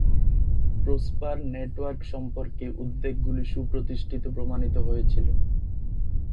Prosper network সম্পর্কে উদ্বেগগুলি সুপ্রতিষ্ঠিত প্রমাণিত হয়েছিল।